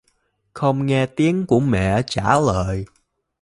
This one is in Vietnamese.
Không nghe tiếng của mẹ trả lời